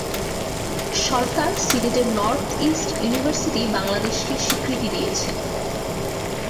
সরকার সিলেটের North East University বাংলাদেশকে স্বীকৃতি দিয়েছে।